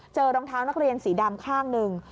รองเท้านักเรียนสีดำข้างหนึ่ง